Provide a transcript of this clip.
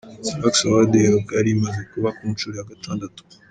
Salax Award iheruka yari imaze kuba ku nshuro ya gatandatu.